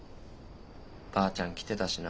ばあちゃん来てたしな。